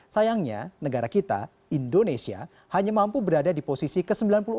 sayangnya negara kita indonesia hanya mampu berada di posisi ke sembilan puluh empat